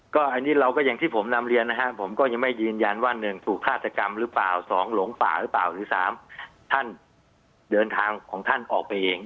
ก็อันนี้เราก็อย่างที่ผมนำเรียนนะครับผมก็ยังไม่ยืนยันว่า๑ถูกฆาตกรรมหรือเปล่า๒หลงป่าหรือเปล่าหรือ๓ท่านเดินทางของท่านออกไปเอง